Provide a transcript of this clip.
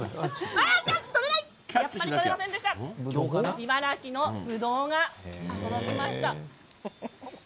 茨城のぶどうが届きました。